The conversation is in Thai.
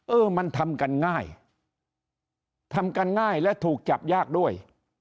เออมันทำกันง่ายทำกันง่ายและถูกจับยากด้วย